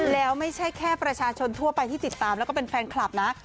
แล้วไม่ใช่แค่ประชาชนทั่วไปที่ติดตามแล้วก็เป็นแฟนคลับนะ